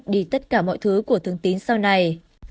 thương tín đã bắt đi tất cả mọi thứ của thương tín sau này